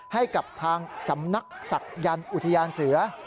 ให้กับทางสำนักศักยันต์อุทยานเสือ